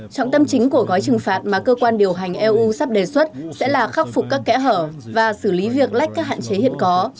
trọng tâm chính của gói trừng phạt mà cơ quan điều hành eu sắp đề xuất sẽ là khắc phục các kẽ hở và xử lý việc lách các hạn chế hiện có